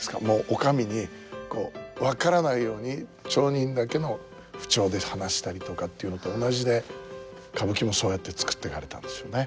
お上にこう分からないように町人だけの口調で話したりとかっていうのと同じで歌舞伎もそうやって作っていかれたんですよね。